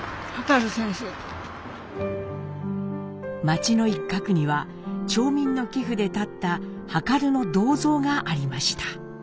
町の一角には町民の寄付で建った量の銅像がありました。